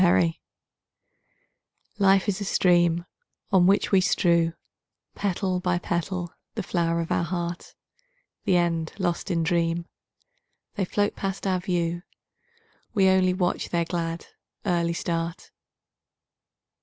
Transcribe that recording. Petals Life is a stream On which we strew Petal by petal the flower of our heart; The end lost in dream, They float past our view, We only watch their glad, early start.